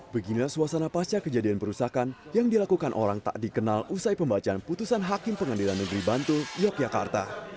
beginilah suasana pasca kejadian perusakan yang dilakukan orang tak dikenal usai pembacaan putusan hakim pengadilan negeri bantul yogyakarta